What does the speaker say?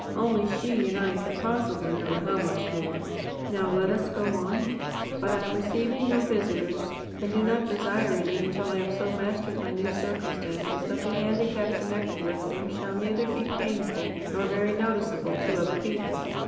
Only she and I can possibly know how much more. Now let us go on ... But I am receiving no visitors, and do not desire any until I have so mastered my new circumstances that the handicap connected with them shall neither be painful nor very noticeable to other people.